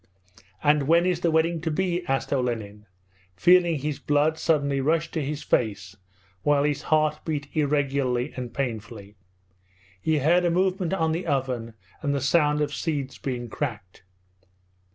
'And when is the wedding to be?' asked Olenin, feeling his blood suddenly rush to his face while his heart beat irregularly and painfully. He heard a movement on the oven and the sound of seeds being cracked.